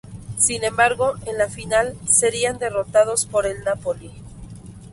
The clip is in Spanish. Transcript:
Sin embargo, en la final serían derrotados por el Napoli.